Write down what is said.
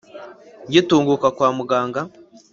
Ngitunguka kwa muganga